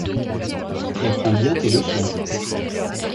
Tu apprends bien tes leçons.